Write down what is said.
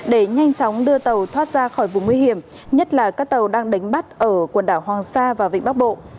để nhanh chóng đưa tàu thoát ra khỏi vùng nguy hiểm nhất là các tàu đang đánh bắt ở quần đảo hoàng sa và vịnh bắc bộ